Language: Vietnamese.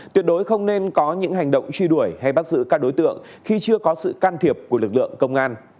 tuyệt đối không nên có những hành động truy đuổi hay bắt giữ các đối tượng khi chưa có sự can thiệp của lực lượng công an